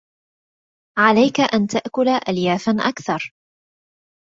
عليك أن تأكل أليافاً أكثر.